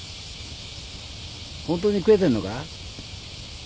本当に食えてんのか？